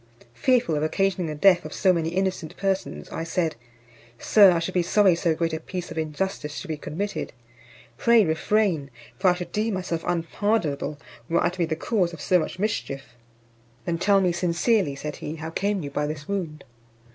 Fearful of occasioning the death of so many innocent persons, I said, "Sir, I should be sorry so great a piece of injustice should be committed. Pray refrain; for I should deem myself unpardonable, were I to be the cause of so much mischief." "Then tell me sincerely," said he, "how came you by this wound."